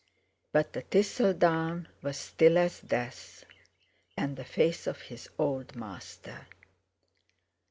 But the thistledown was still as death, and the face of his old master.